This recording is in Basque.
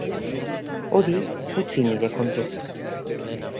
Hori utzi nire kontu.